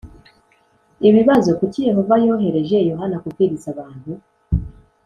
Ibibazo Kuki Yehova yohereje Yohana kubwiriza abantu